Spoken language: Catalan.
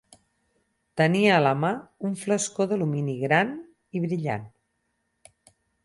Tenia a la mà un flascó d'alumini gran i brillant.